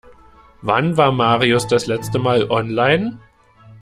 Wann war Marius das letzte Mal online?